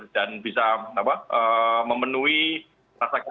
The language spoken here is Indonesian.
dan bisa memenuhi rasakan